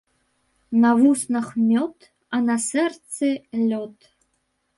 На вуснах — мёд, а на сэрцы — лёд